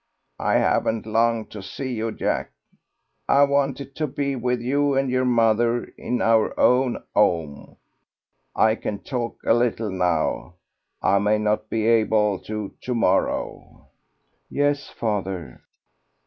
"I haven't long to see you, Jack. I wanted to be with you and your mother in our own home. I can talk a little now: I may not be able to to morrow." "Yes, father."